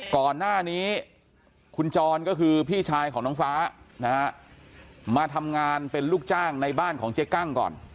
ก่อนหน้านี้คุณจรก็คือพี่ชายของน้องฟ้านะฮะมาทำงานเป็นลูกจ้างในบ้านของเจ๊กั้งก่อน